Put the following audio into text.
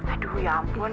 aduh ya ampun